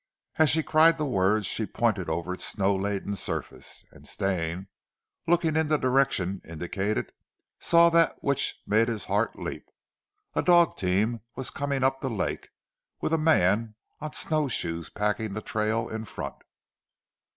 As she cried the words she pointed over its snow laden surface, and Stane, looking in the direction indicated, saw that which made his heart leap. A dog team was coming up the lake, with a man on snow shoes packing the trail in front.